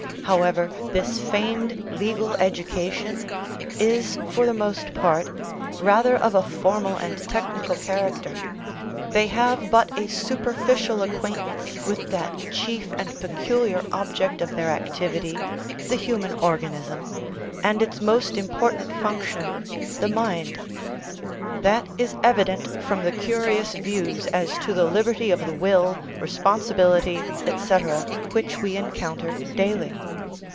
However, this famed " legal education " is for the most part rather of a formal and technical character. They have but a superficlB acquaintance with that chief and peculiar object of their activity, the human organism, and its most important function, the mind. That is ev ident from the curious views as to the liberty of the will, responsibility, etc., which we encounter daily.